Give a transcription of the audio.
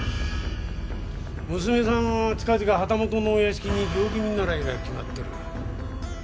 娘さんは近々旗本のお屋敷に行儀見習が決まってる。